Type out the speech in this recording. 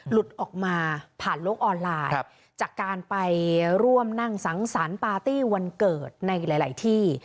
หลุดออกมาผ่านโลกออนไลน์จากการไปร่วมนั่งสังสรรค์ปาร์ตี้วันเกิดในหลายที่